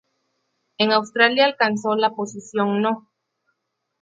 En Australia, alcanzó la posición No.